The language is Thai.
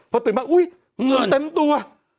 พอตื่นบ้างอุ๊ยเห็นเต็มตัว